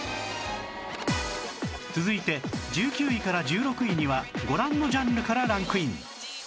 続いて１９位から１６位にはご覧のジャンルからランクイン